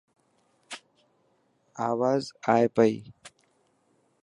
آواز آي پئي.